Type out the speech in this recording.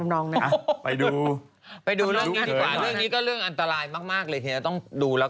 แกล้งแกล้งแกล้งแกล้งแกล้ง